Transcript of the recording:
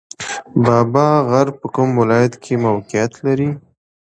بابا غر په کوم ولایت کې موقعیت لري؟